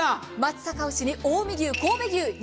松阪牛に近江牛、神戸牛。